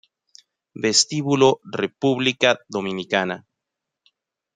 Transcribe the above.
Vestíbulo República Dominicana